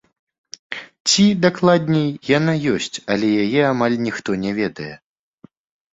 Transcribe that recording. Ці, дакладней, яна ёсць, але яе амаль ніхто не ведае.